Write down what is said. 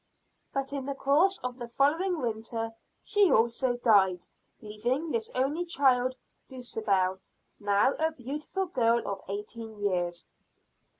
But in the course of the following winter she also died, leaving this only child, Dulcibel, now a beautiful girl of eighteen years.